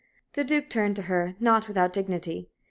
The Duke turned to her, not without dignity.